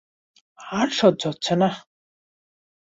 আর সহ্য হচ্ছে না!